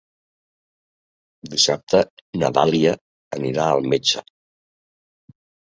Dissabte na Dàlia anirà al metge.